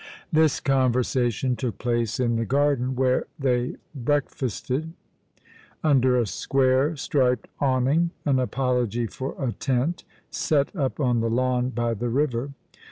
This conversation took place in the garden, where they breakfasted, under a square striped awning, an apology for a tent, set up on the lawn by the river.